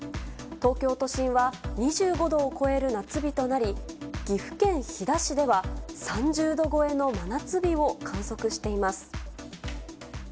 東京都心は２５度を超える夏日となり、岐阜県飛騨市では、３０度超えの真夏日を観測しています。